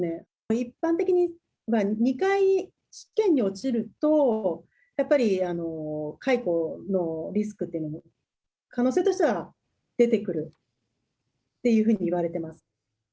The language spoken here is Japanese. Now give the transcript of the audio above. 一般的に、２回試験に落ちると、やっぱり解雇のリスクというのも、可能性としては出てくるっていうふうにいわれています。